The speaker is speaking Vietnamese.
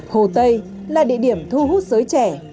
hồ tây là địa điểm thu hút giới trẻ